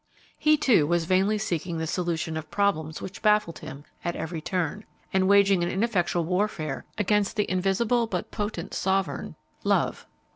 He, too, was vainly seeking the solution of problems which baffled him at every turn, and waging an ineffectual warfare against the invisible but potent sovereign Love.